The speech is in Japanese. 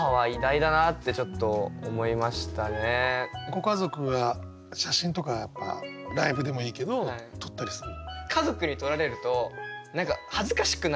ご家族は写真とかライブでもいいけど撮ったりするの？